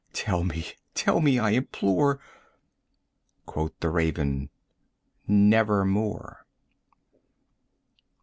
tell me tell me, I implore!" Quoth the Raven, "Nevermore."